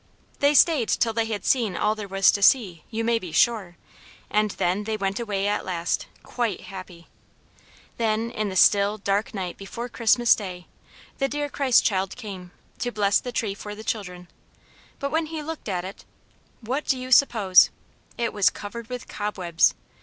They stayed till they had seen all there was to see, you may be sure, and then they went away at last, quite happy. Then, in the still, dark night before Christmas Day, the dear Christ child came, to bless the tree for the children. But when he looked at it what do you suppose? it was covered with cobwebs!